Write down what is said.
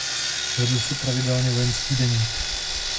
Vedl si pravidelně vojenský deník.